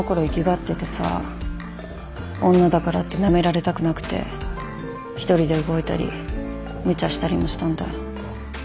粋がっててさ女だからってなめられたくなくて１人で動いたり無茶したりもしたんだ